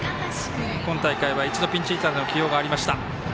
今大会は一度ピンチヒッターでの起用がありました。